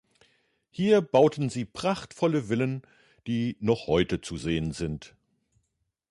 Hier bauten sie prachtvolle Villen, die noch heute zu sehen sind.